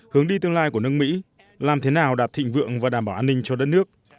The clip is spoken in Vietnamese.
hướng đi tương lai của nước mỹ làm thế nào đạt thịnh vượng và đảm bảo an ninh cho đất nước